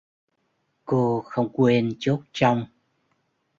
cô không quên chốt trong